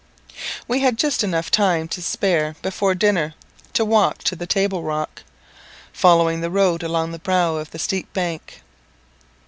We had just time enough to spare before dinner to walk to the table rock, following the road along the brow of the steep bank.